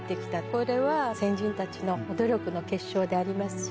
これは先人たちの努力の結晶でありますし。